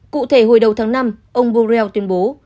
cụ thể hồi đầu tháng năm ông borrell tuyên bố